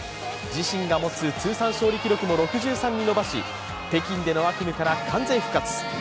自身が持つ通算勝利記録も６３に伸ばし北京での悪夢から完全復活。